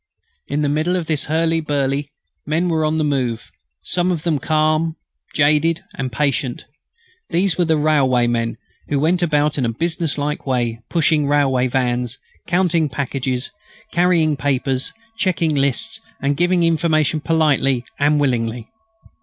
In the middle of this hurly burly men were on the move, some of them calm, jaded and patient. These were the railwaymen, who went about in a business like way, pushing railway vans, counting packages, carrying papers, checking lists, and giving information politely and willingly.